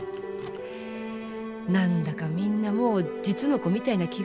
何だかみんなもう実の子みたいな気がするよ。